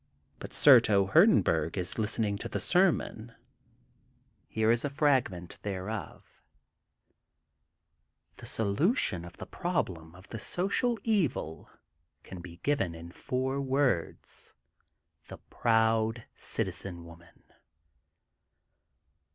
But Surto Hurdenburg is listening to the sermon. Here is a fragment thereof: — The solution of the problem of the social evil can be given in four words: *THE PROUD CITIZEN WOMAN.